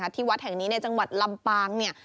ที่วัดแห่งนี้ในจังหวัดลำปางเนี่ย